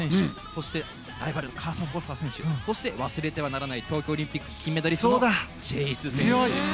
そして、ライバルのカーソン・フォスター選手そして忘れちゃいけない東京オリンピック金メダリストのチェイス・カリシュ選手。